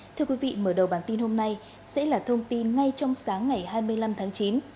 thưa quý vị mở đầu bản tin hôm nay sẽ là thông tin ngay trong sáng ngày hai mươi năm tháng chín